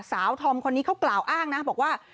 ธอมคนนี้เขากล่าวอ้างนะบอกว่า